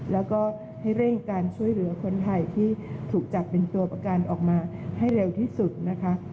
แล้วก็ให้เร่งการช่วยเหลือคนไทยที่ถูกจับเป็นตัวประกันออกมาให้เร็วที่สุดนะคะ